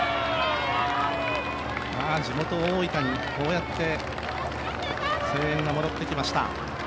地元・大分にこうやって声援が戻ってきました。